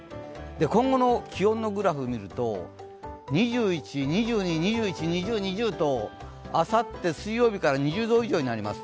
今後の気温のグラフを見ると２１、２２、２１、２０とあさって水曜日から２０度以上になります。